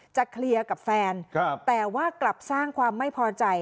เคลียร์กับแฟนแต่ว่ากลับสร้างความไม่พอใจ